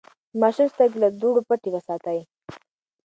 د ماشوم سترګې له دوړو پټې وساتئ.